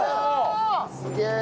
すげえ！